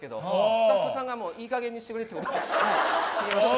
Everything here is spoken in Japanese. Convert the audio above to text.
スタッフさんがもういいかげんにしてくれっていうことで切りました